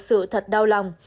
sự thật đau lòng